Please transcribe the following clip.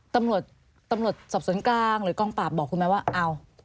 ตำรวจสับสนกลางหรือกล้องปากบอกคุณไหมว่าเอา